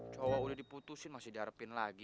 coba udah diputusin masih diharapin lagi